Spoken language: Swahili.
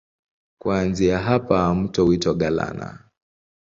Kuanzia hapa mto huitwa Galana.